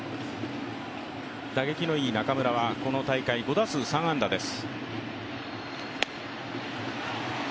打撃のいい中村はこの大会５打数３安打です。